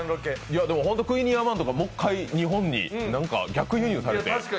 クイニーアマンとかもう一回日本に逆輸入されて。